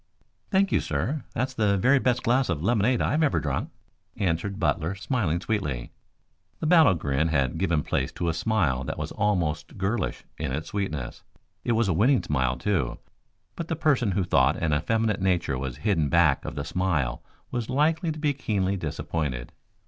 "Thank you, sir. That's the very best glass of lemonade I've ever drunk," answered Butler, smiling sweetly. The battle grin had given place to a smile that was almost girlish in its sweetness. It was a winning smile, too, but the person who thought an effeminate nature was hidden back of the smile was likely to be keenly disappointed.